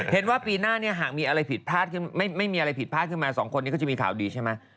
เห็นว่าปีหน้าเนี่ยหากมีอะไรผิดพลาดไม่มีอะไรผิดพลาดขึ้นมาสองคนนี้ก็จะมีข่าวดีใช่ไหม